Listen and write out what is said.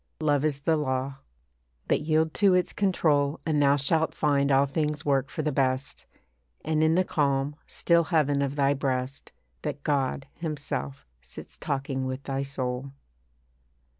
Love is the law. But yield to its control And thou shalt find all things work for the best, And in the calm, still heaven of thy breast, That God, Himself, sits talking with thy soul.